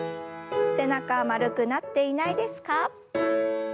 背中丸くなっていないですか？